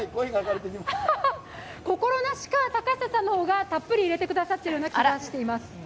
心なしか貴久さんのほうがたっぷりいれてくださっている気がします。